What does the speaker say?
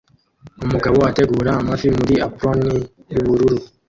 Umugabo ategura amafi muri apron yubururu